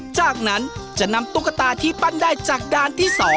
จากนั้นจะนำตุ๊กตาที่ปั้นได้จากดานที่๒